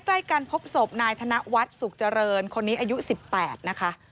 ใกล้กันพบศพนายธนวัฒน์สุขเจริญคนนี้อายุ๑๘นะคะ